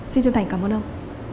xin chân thành cảm ơn ông